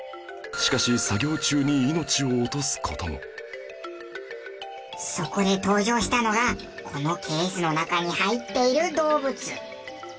しかし作業中にそこで登場したのがこのケースの中に入っている動物。